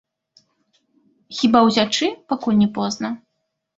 Хіба ўцячы, пакуль не позна?